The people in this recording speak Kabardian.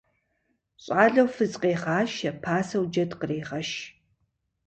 Щӏалэу фыз къегъашэ, пасэу джэд кърегъэш.